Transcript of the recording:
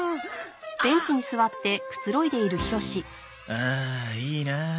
ああいいなあ